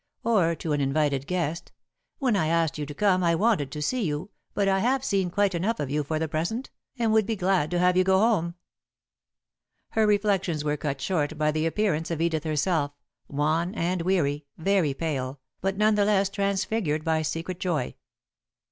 Or, to an invited guest: "When I asked you to come I wanted to see you, but I have seen quite enough of you for the present, and would be glad to have you go home." [Sidenote: A Wearisome Day] Her reflections were cut short by the appearance of Edith herself, wan and weary, very pale, but none the less transfigured by secret joy.